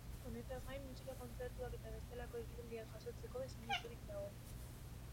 Honetaz gain, musika kontzertuak eta bestelako ekitaldiak jasotzeko diseinaturik dago.